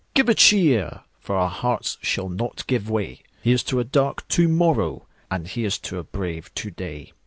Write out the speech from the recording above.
Give a cheer! For our hearts shall not give way. Here's to a dark to morrow, And here's to a brave to day!